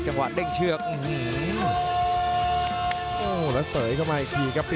กระหว่างเด่งเชือกโอ้โหแล้วเสยเข้ามาอีกทีครับ